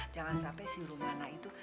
jangan sampai si rumana itu